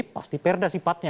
pasti perda sifatnya